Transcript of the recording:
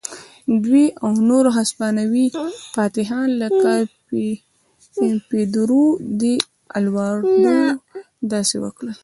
دوی او نور هسپانوي فاتحان لکه پیدرو ډي الواردو داسې وکړل.